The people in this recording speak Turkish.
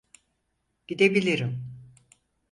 Gidebilirim.